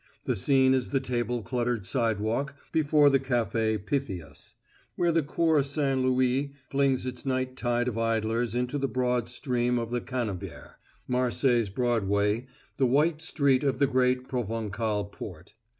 The scene is the table cluttered sidewalk before the Café Pytheas, where the Cours St. Louis flings its night tide of idlers into the broader stream of the Cannebière, Marseilles' Broadway the white street of the great Provençal port.